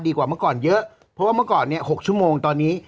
กว่าเมื่อก่อนเยอะเพราะว่าเมื่อก่อนเนี่ย๖ชั่วโมงตอนนี้